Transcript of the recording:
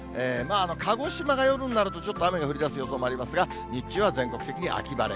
鹿児島が夜になるとちょっと雨が降りだす予想もありますが、日中は全国的に秋晴れ。